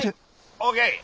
ＯＫ！